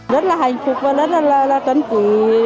rất là hạnh phúc và rất là tuân cử